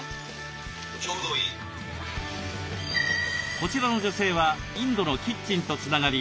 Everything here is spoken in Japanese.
こちらの女性はインドのキッチンとつながり